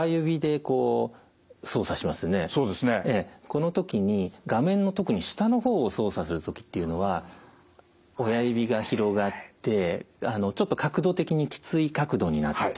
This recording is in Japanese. この時に画面の特に下の方を操作する時っていうのは親指が広がってちょっと角度的にきつい角度になってくるんですね。